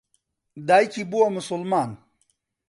دایکی بووە موسڵمان.